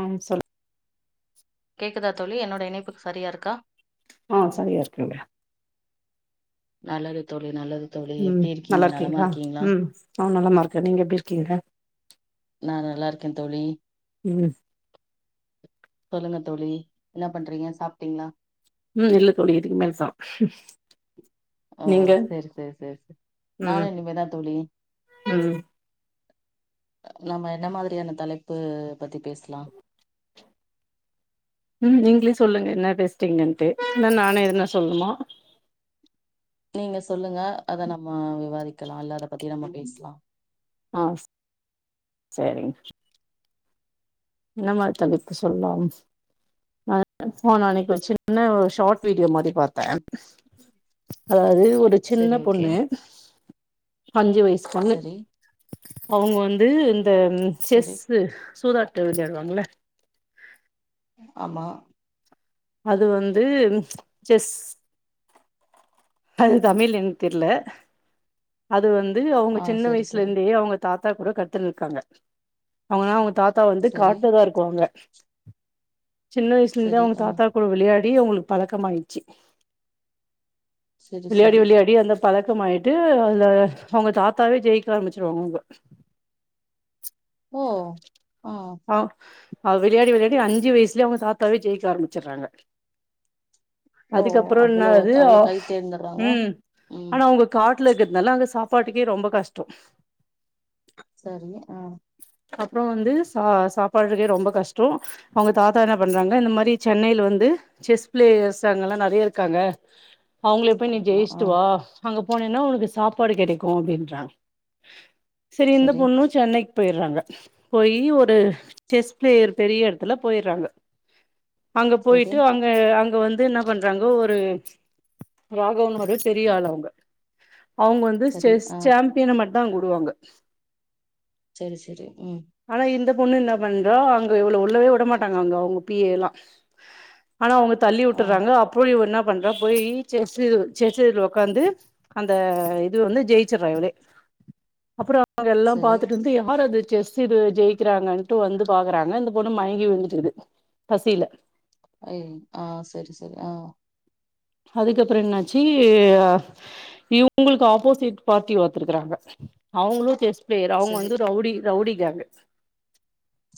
ஆ சொல்லு கேக்குதா தோழி என்னோட இணைப்புக் சரியா இருக்கா ஆ சரியா இருக்குங்க நல்லது தோழி நல்லது தோழி ம் எப்டி இருக்கீங்க நலமா நல்லாருக்கிங்ளா இருக்கீங்களா ம் நா நலமா இருக்க நீங்க எப்டி இருக்கிங்க நா நல்லா இருக்கே தோழி ம் சொல்லுங்க தோழி என்ன பண்றிங்க சாப்ட்டிங்ளா ம் இல்ல தோழி இதுக்கு மேலதா ஓ செர் செர் செர் செர் ம் நானு இனிமேதா தோழி ம் நாம என்ன மாதிரியான தலைப்பு பத்தி பேசலா ம் நீங்களே சொல்லுங்க என்ன பேசறிங்கன்ட்டு இல்ல நானே எதுனா சொல்னுமா நீங்க சொல்லுங்க அத நம்ம விவாதிக்கலா இல்ல அத பத்தி நம்ம பேசலா ஆஹ் சரிங்க என்ன மாரி தலைப்பு சொல்லாம் நா [unintelligible] ஃபோன்ல அன்னைக்கி சின்ன ஷார்ட் வீடியோ மாரி பார்த்த அதாவது ஒரு சரி சின்ன ஓகே பொண்ணு அஞ்சு வயசுப் பொண்ணு சரி அவங்க வந்து ந்த சரி செஸ்சு சூதாட் ட்ட விளயாடுவாங்கல்ல ஆமா அது வந்து ம்ச் செஸ் அது தமிழ் எனக் தெர்ல அது வந்து து அவங்க ஆ சின்ன சரி வயசுல சரி இருந்தே அவங்க தாத்தா கூட கத்துண்ட் இருக்காங்க அவங்க அவங்க தாத் த்தா வந்து சரி காட்டுலதா இருக்குவாங்க சின்ன வயசுல இருந்து சரி அவங்க ஆ தாத்தா கூட விளையாடி அப்பிடியே அவங்களுக்கு பழக்கம் ஆயிடுச்சி சரி விளையாடி சரி விளையாடி அந்த பழக்கமாயிட்டு அதுல அவங்க தாத்தாவே ஜெயிக்க ஆரம்பிச்சிருவாங்க உங்க ஓ ஆஹ் ஆஹ அவ் விளையாடி விளையாடி அஞ்சு வயசுலயே அவுங்க தாத்தாவே ஜெயிக்க ஆரம்பிச்சிடுறாங்க ஓ அதுக்கப்ரோ அவ்ளோ என்னது அவ்ளோ கை தேர்ந்தர்றாங்க உம் ம் ஆனா உங்க காட் ல இருக்கிறதுனால அங்க சாப்பாட்டுக்கே ரொம்ப கஷ்டோ சரிங்க ஆஹ் அப்ரோ வந்து ஆஹ் சாப்பாடுறக்கே ரொம்ப கஷ்டோ அவங்க தாத்தா என்ன பண்றாங்க இந்த மாரி சென்னையில வந்து செஸ் பிளேயர்ஸ் அங்கெல்லா நெறைய இருக்காங்க அவங்கள போய நீ ஆமா ஆ ஜெயிட்டுவா அங்க போனேன்னா உனக்கு சாப்பாடு கிடைக்கு அப்பிடின்றாங்க சேரி இந்த சரி பொண்ணு சென்னை போயிருறாங்க போய் ஒரு ஒரு செஸ் பிளேயர் பெரிய இடத்துல போயிருறாங்க அங்க சரி போயிட்டு அங்க அங் வந்து என்ன பண்றாங்க ஒரு [unintelligible] பெரிய ஆள் அவுங்க அவுங்க வந்து சரி செஸ் ஆ சாம்பியன் மட் தான் கூடுவாங்க சரி சரி உம் பொண்ணு என்ன பண்றோ அங்க இவள உள்ளவே விடமாட்டாங்க அங்க அவுங்க பி ஏ லா ஆனா அவங்க தள்ளி ஆ விட்டுறாங்க அப்றோ இவ எனப் பண்ற போய் செஸ்சு செஸ் சீட்ல உக்காந்து அந்த இது வந்து ஜெயிச்சிடுறா இவளே அப்றோ அங்க எல்லா சரி பாத்துட்டு இருந்து யார் அது செஸ் இது ஜெய் கிறாங்கன்னு டு வந்து பாக்குறங்க இந்த பொண் மயங்கி விழுதிட்டுருக்குது பசில ஐ ஆஹ் சரி சரி ஆஹ் அதுக்கப்புறம் என்னாச்சு இவங்களுக்கு ஆப்போசிட் பார்ட்டி ஒருத்தர் இருக்காங்க அவங்களும் செஸ் வே அவுங்க சரி வந்து ரவுடி ரவுடி கேங்கு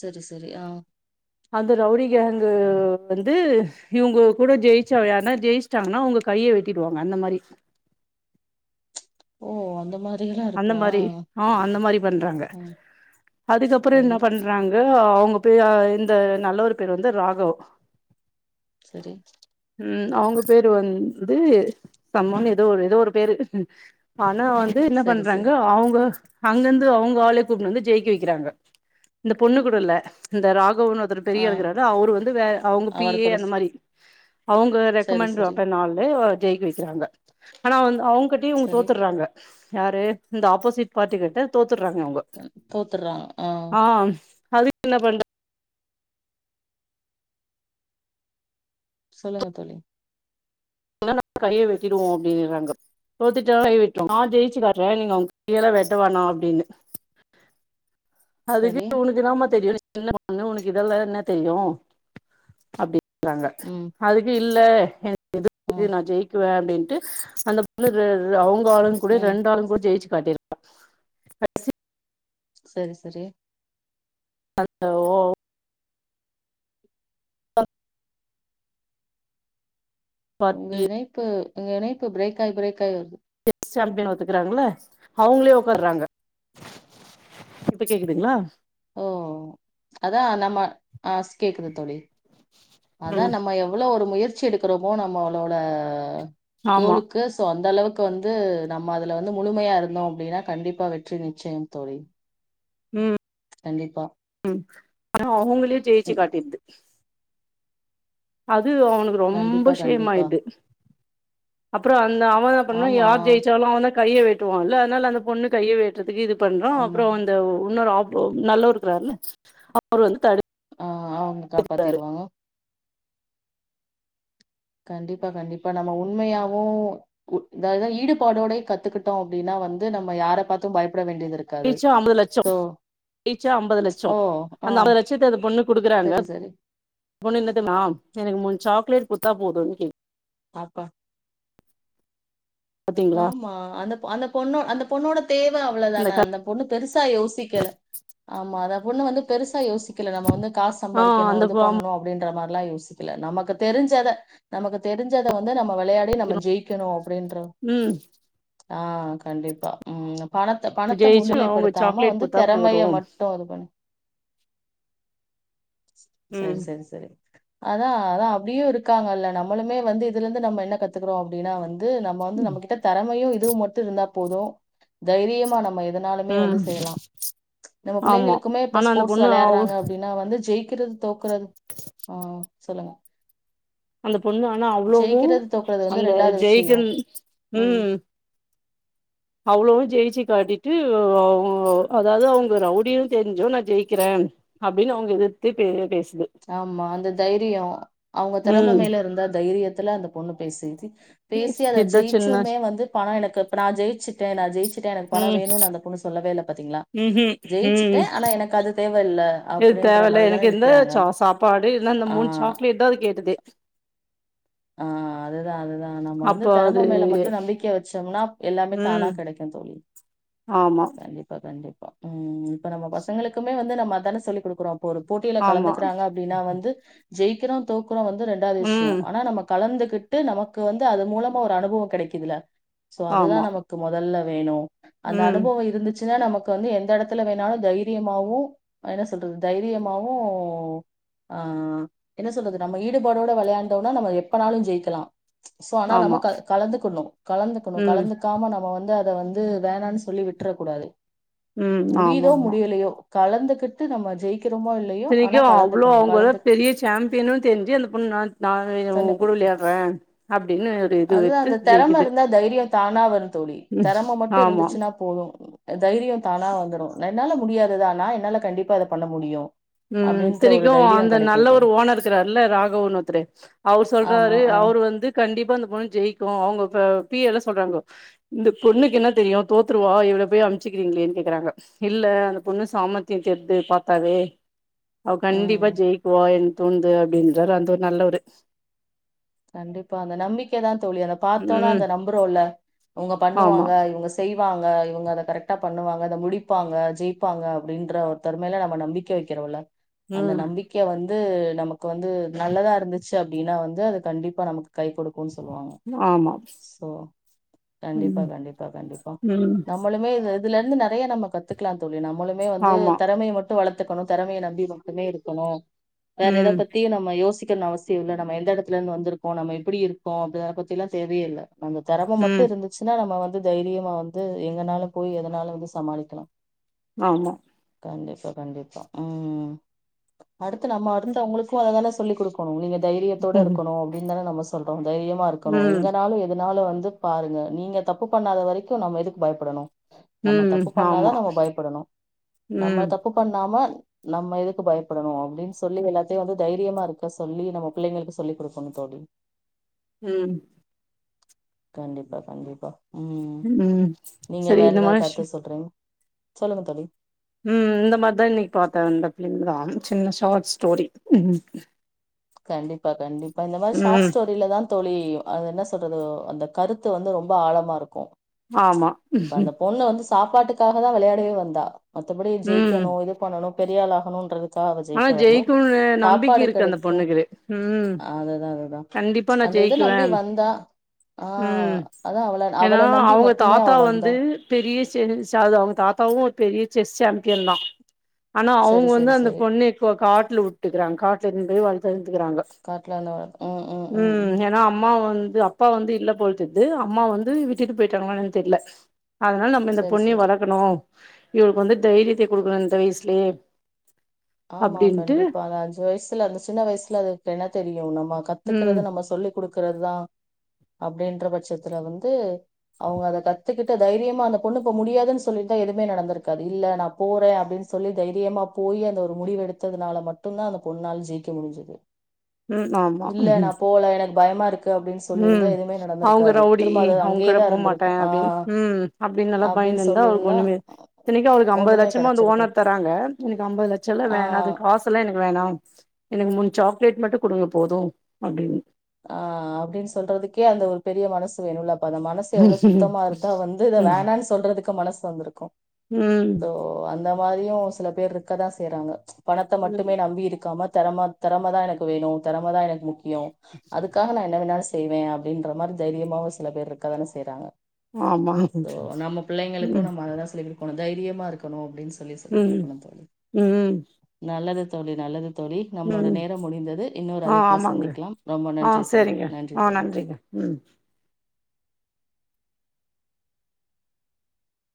சரி சரி ஆஹ் அந்த ரவுடி கேங்கு வந்து இவங்கோ கூட ஜெயிச்சுவெளயாண்டா ஜெயிச்சிட்டாங்கனா அவுங்க கைய வெட்டிடுவாங்க அந்த மாரி ஓ அந்த மாரி அந்த மாரி ஆஹ் அந்த மாரி பண்றாங்க ம் அதுக்கப்றோ சரி என்ன பண்றாங்க ஓ அவுங்க போய் இந்த நல்லவரு பேரு வந்து ராகவ் சரி உம் அவங்க பேரு வந்து சம்மனு எதோ எதோ ஒரு பேரு ஆ ன்னோ வந்து என்னா பண் சரி எங்க சரி அவுங்க அங்கருந்து அவங்க ஆலயே கூட்டு வந்து ஜெயிக்க வக்கிறாங்க இந்த பொண்ணு கூட இல்ல இந்த ரா ங்க இன்னொருத்தரு ஆ பெரிய இருக்குறாரு அவுரு வந்து வே அவுங்க பி அவரு ஏ கூட அந்த ஸ்- மாரி அவங்க சரி ரெக்கமெண்ட்டு சரி பண்ண ஆளு ஜெயிக்க வக்கிறாங்க ஆனா வந்து அவுங் கட்டி இவுங்க சரி தோத்தர்றாங்க யாரு இந்த ஆப்போசிட் பார்டிகள்ட தோத் த்துறாங்க அவுங்க தோத்துர்றாங்க ஆ ஆஹ் அது என்ன பண்றது சொல்லுங்க தோழி கைய வெட்டிடுவோ அப்டிகிறாங்க தோத்துட்டா கைய வெட்டுவோ நா ஜெயிச்சி காட்றே நீங்க அவுங்க கையல வெட்டவேனா அப்டின்னு சரி அதுக்குனு உனக்குதாமா தெரியுறே என்ன பண்ண உனக்கு இதெல்ல என்ன தெரியு அப்டி அங்க ம் அதுக்கு இல்ல எ ம் [unintelligible] நா ஜெயிக்குவே அப்டின்ட்டு அந்த பொண்ணு அவுங் ஆளும் கூட ம் ரெண்டாலு கூட ஜெயிச்சி [unintelligible] சரி சரி அந்த ஓ ஒங்க இணைப்பு உங்க இனைபு பிரேக்காய் பிரேக்காய் வருது செஸ் சாம்பியன் ஒத்துக்கறாங்கள அவுங்களே ஒக்கார்றாங்க இப்ப கேக்குதுங்களா ஓ அதா நம்ப ஆஹ் கேக்குது தோழி அதா ம் நம்ப எவ்ளோ ஒரு முயற் ச்சு எடுக்கறப்போ நம்ம அவளோட ஆமா கோலுக்கு சோ அந்த அளவுக் க்கு வந்து நம்ம அதுல வந்து முழுமையா இருந்தோ அப்படின்னா கண்டிப்பா வெற்றி நிச்சயம் தோழி உம் கண்டிப்பா ம் ஆனா அவங்களே ஜெயிச்சு ம். காட்டிருது ஆ து அவனுக்கு ரொம்ப கண்டிப்பா, கண்டிப்பா. ஷேமாயிட்து அப்புறோ அந்த அவன் பண்ண ஆமா, யார் ஜெயிச்சாலு அவன் தா கைய வெட்டுவல அதனால அந்த பொண்ணு கைய வெ த்துக்கு இது பண்றோ ஆமா. அப்ரோ இந்த இன்னொரு ஆப் நல்லா இருக்குறார்ல அப்றோ என் ஆஹ் அவங்க காப்பாத்திருவாங்க கண்டிப்பா கண்டிப்பா நம்ம உண்மையாவு தாது ஈடுபாடோட கத்துக்கிட்டோ அப்படின்னா வந்து நம்ம யார பார்த்து பயப் யிச்ச ஐம்பது லட்சோ யிச்ச ஐம்பது லட்சோ ஓ! அந்த ஆ. ஐம்பது லட்சத்த அந்த பொண்ணுக்கு குடுக்கறாங்க சரி அந்த சரி பொண்ணுன்னா தெர்மா எனக் மூணு சாக்லேட் தா போதுனு கேக்குது ஆப்பா பாத்தீங்களா ஆமா அந்தப் அந்தப் பொண்ணு அந்தப் பொண்ணோடப் தேவை இந்த அவ்வளவுதானா க அந்த பொண்ணு பெருசா யோசிக்கல ஆமா அதா ஒண்ணு வந்து பெருசா யோசிக் இதுல நம்ம வந்து காச ஆ சம்பாதிக்கணும் அந்த இது பண்ணணும் அப்படின்ற மார் க்லா யோசிக்கல நமக்கு தெரிஞ்சதை நமக்கு தெரிஞ்சதை வந்து நம் ம்ம விளையாடி நம்ம ஜெயிக்கணும் அப்படின்ற ம் ஆஹ் கண்டிப்பா உம் பணத்த பணத்த ஜெயிச்சு அவங்க முன்னிலைப்படுத்தாம சாக்லேட் வந்து குடுத்தா போது திறமைய மட்டு இது பண்ணு சரி ம் சரி சரி அதான் அதான் அப்படியும் இருக்காங்கல்ல நம்ளுமே வந்து இதுல இருந்து நம்ம என்ன கத்துக்கறோம் அப்படின்னா வந் து நம்ம வந்து நம் தெறமையும் இதுவும் மட்டும் இருந்தா போதும் தைரியமா நம்ம எதனாலுமே வந்து ம் செய்யலாம் நம்ம ஆமா பிள்ளைங்களுக்குமே இப்ப ஆனா அந்த ஸ்போர்ட்ஸ் பொண்ணு அவ் விளையாடுறாங்க அப்டின்னா வந்து ஜெய்க் க்கிறது தோக்குறது ஆஹ் சொல்லுங்க அந்த பொண்ணு ஆனா அவ்ளோவு ஜெயிக்கிறது, தோக்குறது வந்து அந்த விஷயம். ஜெய்க்கன் ம். ம்ஹ் அவ்ளோவு ஜெய்ச்சு காட்டிட்டு ஒ அதாது அவங்க ரவ்டியு தெரிஞ்சு நா ஜெய்க்கிற அப்டின் அவங்க எதிர்த்து பே பேச ஆமா அந்த தைரியோ அவங்க திறம ம் மேல இருந்த தைரியத் துல அந்த பொண்ணு பேசுது பேசி அத இதா சின்ன ஜெயிச்சுமே வந்து பணோ எனக்கு இப்ப நா ஜெய்ச்சு நா ஜெய்ச்சிட்ட எனக்கு பணோ ம் வேணுனு அந்த பொண்ணு சொல்லவே ல பாத்தீங்ளா ம்ஹும் ஜெயிச்சுட்ட ம் ஆனா எனக்கு அது தேவயில்ல அப்டின்ற மாரி தான நிக்கிறாங்க பாடு இல்லனா இந்த ஆ மூண் சாக்லேட் தா அது கேட்டது ஆ அதுதா அதுதா நம்ம வந்து அப்போ தெறம அது மேல மட்டு நம்பிக்கய வச்சம்னா எல்லாமே தானா ம் கடைக்கு தோழி ஆமா கண்டிப்பா கண்டிப் ம் இப்ப நம்ம பசங்களுக்குமே வந்து நம்ம அதான சொல்லி குடுக்குறோம் ஒரு போட்டில ஆமா கலந்துக்குறாங்க அப்டின்னா வந்து ஜெய்க்கிரோ தோக் குறோ வந்து ரெண்டாது விஷ்யோ ம் ஆனா நமக் கலந்துகிட்டு நமக்கு வந்து அது மூலமா ஒரு அனுபவோ கடைக்குதுல சோ அதுதா ஆமா நமக்கு மொதல்ல வேணு அந்த ம் அனுபவோ இருந்துச்சு சுனா நமக்கு வந்து எந்த எடத்துல வேணாலு தைரியமாவு என்ன சொல்றது தைரியமாவு ஆ என்ன சொல்றது நம்ம ஈடுபாடோட வெளையாண்டோனா நம்ம பனாலு ஜெய்க்கலா சோ ஆனா நம்ம ஆமா கலந்துக்கணு கலந்துக்கணு ம் கலந்துக்காம நம்ம வந்து அத வந்து வேணானு சொல்லி விட்ர கூடாது ம் ஆமா முடியுதோ ஆமா முடியலையோ கலந்துகிட்டு நம்ம ஜெய் இத்தனைக்கு அவ்ளோ அவங்கள பெரிய சாம்பியனு தெரிஞ்சு அந்த பொண்ணு நா உ கூட விளையாட்ற அப்டின்னு ஒரு இது அதுதா எத்து அந்த தெறம ஜெய்க்குது இருந்தா தைரியோ தானா வர் தோழி தெறம மட்டு இருந்துச்சுனா போது தைரியோ தானா வந்துடு என்னால முடியாததா நா என்னால கண்டிப்பா இத பண்ண முடியு ம் அப்டின்ற ஒரு சனைைக்கு தைரியோ அந்த கெடைக்கு நல்ல ஒரு தோழி ஓனர் இருக்கிறாருல ராகவனு ஒருத்தரு அவர் ஆமா சொல்றாரு ஆ அவரு வந்து கண்டிப்பா அந்த பொண்ணு ஜெயிக்கு அவங்க இப்ப பி எல்லா சொல்றாங்கோ இந்த பொண்ணுக்கு என்ன தெரியும் தோத்துருவா எவ்வளோ போய் அமுச்சுிக்கிறீங்களேன்னு கேக்குறாங்க இல்ல அந்த பொண்ணு சாமர்த்தியம் தெருது பார்த்தாவே அவ கண்டிப்பா ம் ஜெயிக்குவ தோணந்து அப்படின்ற வந்து நல்ல ஒரு கண்டிப்பா அந்த நம்பிக்கதா தோழி அத பார்த்தோன ம் அந்த நம்புரோ ல அவுங்க ஆமா பண்ணுவாங்க இவங்க செய் ங்க இவங்க அதை கரெக்டா பண்ணுவாங்க அத முடிப்பா ஜெயிப்பாங்க அப்படின்ற ஒரு தருமையில நம்ம நம்பிக்கை வைக்கிறோம்ல்ல அந்த ம் நம்பிக்கையை வந்து து நமக்கு வந்து நல்லதா இருந்துச்சு அப்படின்னா வந்து அது கண்டிப்பா நமக்கு கைகொடு கு சொல்லுவாங்க ஆமா சோ கண்டிப்பா ம் கண்டிப்பா கண்டிப்பா ம் நம்மளுமே இது இதுல இருந்து நெறய நம்ம கத்துக்கலா தோழி நம்மளுமே வந்து ஆமா தெரமைய மட்டும் வளர்த்து கத்துக்கணு தெரமைய நம்பி மட்டுமே இருக்கணு வேற எத ம் பத்தியு நம்ம யோசிக்க அவசியம் இல்ல நம்ம எந்த இடத்து ல இருந்து வந்துருகோ நம்ம எப்படி இருக்கோ அப்படி அத பத்திலா தேவயே இல்ல அந்த திறம மட்டு ம் இருந்துச்சுன்னா நம்ம வந்து தைரியமா வந்து எங்கனாலு போய் எதனாலு வந்து சமாளிக்கலா ஆமா கண்டிப்பா கண்டிப்பா ம் அடுத்து நம்ம அடுத்து அவங்களுக்கும் அததான சொல்லி கொடுக்கணும் நீங்க தைரியத்தோடு இரு ம் அப்டின்னு தான நம்ம சொல்றோ தைரியமா இருக்கணு ம் எங்கனாலும் எத என்னால வந்து பாருங்க நீங்க தப்பு பண்ணாத வரைக்கும் நம்ம எதுக்கு பயப்படணும் நம்ம ம் தப்பு ஆமா பண்ணாதான் நம்ம பயப்படணும் நம்ம ம் தப்பு பண்ணாம நம்ம எதுக்கு பயப்படணும் அப்படின்னு சொல்லி எல்லாத்தையும் வந்து தைரியமா இருக்க சொல்லி நம்ம பிள்ளைங்களுக்கு சொல்லி் குடுக்கனு தோழி ம் கண்டிப்பா கண்டிப்பா ம் நீங்க சரி வேற இந்த ஏதாவது மாரி ஷ் கருத்து சொல்றீங்க சொல்லுங்க தோழி உஹம் இந்த மாதிரிதான் இன்னைக்கு பார்த்தேன் அந்த பிலிம் தான் சின்ன ஷார்ட் ஸ்டோரி உ கண்டிப்பா கண்டிப்பா. இப்ப இந்த மாதிரி ஷார்ட் ஸ்டோரியில தான் தோழி அது என்ன சொல்றது அந்த கருத்து வந்து ரொம்ப ஆழமா இருக்கும். ஆமா. இப்ப அந்த பொண்ணு வந்து சாப்பாட்டுக்காக தான் விளையாடவே வந்தா மற்றபடி ம் ஜெக்கணும் இது பண்ணணும் பெரியால் ஆகணும்ன்றது ஆனா ஜெயிக்க வரல ஜெயிக்கும்னு நம்பிக்கை சாப்பாடு இருக்கு அந்த கிடைக்கும் பொண்ணுக்கு ம் அதான் அதுதான் கண்டிப்பா நா அந்த இத ஜெயிக்குவே நம்பி வந்தா ஆஹ் ம் அத அவள அவளை நம்பி மட்டுமே அவ வந் இது பெரிய ச அவங்க தாத்தாவும் பெரிய செஸ் சாம்பியன் தான். ஆனா அவங்க செரி வந்து செரி அந்த செரி பொண்ணு காட்டுல விட்டுக்கிறாங்க காட்டுல இருந்து போய் வளர்த்து தந்துக்கிறாங்க காட்லான்னு ம் ம் ம் உம் ம் ஏன்னா அம்மா வந்து அப்பா வந்து இல்ல போ தெரியது அம்மா வந்து விட்டுட்டு போயிட்டாங்கு தெரியல அதனால நம்ம இந்த செரி பொன்னையும் செரி வளர்க்கணும் இவளுக்கு வந்து தைரியத்தை கொடுக்கணும் இந்த வயசுலயே ஆமா அப்டின்ட்டு கண்டிப்பா அந்த அஞ்சு வயசுல அந்த சின்ன வயசுல அதுக்கு என்ன தெரியும் நம்ம ம் கத்துக்கறிறது நம்ம சொல்லி குடுக்கறிறது தான் அப்படின்ற பட்சத்துல வந்து அவங்க அத கத்துக்கிட்டு தைரியமா அந்த பொண்ணு போ முடியாதுன்னு சொல்லிட்டுதான் எதுவுமே நடந்திருக்காது இல்ல நான் போறேன் அப்படின்னு சொல்லி தைரியமா போய் அந்த முடிவு எடுத்ததுனால மட்டும்தான் அந்த பொண்ணால் ஜெயிக்க முடிஞ்சது. ம் இல்ல நான் போல எனக்கு பயமா இருக்கு அப்டின்னு சொல்லியிருந்தா உஹம் எதுமே அவங்க நடந்திருக்காது ரவுடி திரும்ப அது அவங்ககட அங்கேயேதா இருந்திருக்கு போகமாட்டேன் ஆ அப்படின்னு உஹம் அப்படின்னு எல்லாம் அப்டின்னு பயந்துருந்தா அவளுக்கு சொல்லியிருந்தா ஒண்ணுமே இத்தன்னைக்கு அவளுக்கு ஐம்பது ஒண்ணுமே லட்சமா வந்து கெடச்சிருக்கு ஓனர் தராங்க இன்னைக்கு ஐம்பது லட்சம் சொல்ல ஆ வேண அது காச எல்லாம் எனக்கு வேணாம் எனக்கு மூணு சாக்லேட் மட்டும் கொடுங்க போதும் அப்படின் ஆஹ் அப்படின்னு சொல்றதுக்கே அந்த ஒரு பெரிய மனசு வேணும்ல அ மனசு எவ்வளவு சுத்தமா இருதா வந்து இத வேணான் சொல்றதுக்கு மனசு வந்திருக்கும். உஹம். அந்த மாதிரியும் சில பேர் இருக்கதான் செய்யறாங்க பணத்தை மட்டுமே ம் நம்பி இருக்காம திறமை திறமைதான் எனக்கு வேணும் திறமைதான் எனக்கு முக்கியம் அதுக்காக நான் என்ன வேனா செய்வேன் அப்படின்ற மாரி தைரியமா சில பேர் இருக்காதானே செய்றாங்க ஆமா உம் கொ தைரியமா இருக்கணும் அப்டின்னு சொல்லி சொல்லி கொடுக்கணும் தோழி ம் நல்லது தோழி நல்லது தொழி நம்மளோட ம் நேரம் முடிந்தது இன்னொரு அழைப்புல சந்திக்கலாம் நன்றி ஆஹ் தோழி சரிங்க நன்றி ஆஹ் தோழி நன்றிங்க உம்